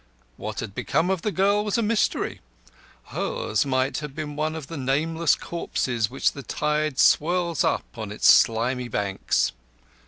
What had become of the girl was a mystery. Hers might have been one of those nameless corpses which the tide swirls up on slimy river banks.